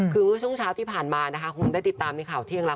คือเมื่อช่วงเช้าที่ผ่านมานะคะคงได้ติดตามในข่าวเที่ยงแล้ว